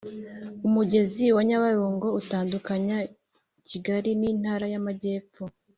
umugezi wanyabarongo utandukanya kigali ni ntara yamajyepfo